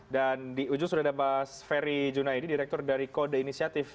dan di ujung sudah ada mas ferry junaidi direktur dari kode inisiatif